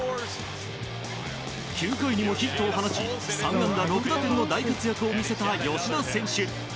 ９回にもヒットを放ち３安打６打点の大活躍を見せた吉田選手。